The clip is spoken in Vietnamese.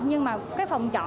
nhưng mà cái phòng trọ